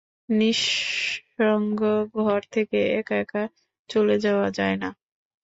নিঃসঙ্গ ঘর থেকে একা-একা চলে যাওয়া যায় না।